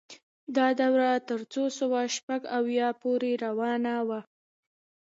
دا دوره تر څلور سوه شپږ اویا پورې روانه وه.